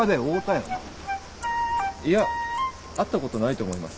いや会ったことないと思います。